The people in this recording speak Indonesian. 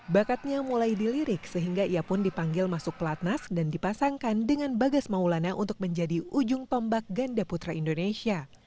bakatnya mulai dilirik sehingga ia pun dipanggil masuk pelatnas dan dipasangkan dengan bagas maulana untuk menjadi ujung tombak ganda putra indonesia